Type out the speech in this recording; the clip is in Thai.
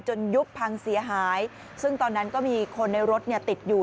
ยุบพังเสียหายซึ่งตอนนั้นก็มีคนในรถเนี่ยติดอยู่